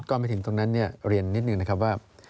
ก่อนไปถึงตรงนั้นเนี่ยเรียนนิดนึงนะครับว่า